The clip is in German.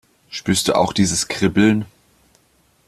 Spürst du auch dieses Kribbeln?